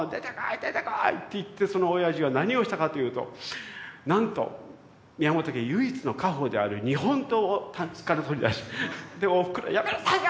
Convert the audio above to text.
出てこい！」って言ってそのおやじは何をしたかというとなんと宮本家唯一の家宝である日本刀をタンスから取り出しおふくろは「やめなさいよ！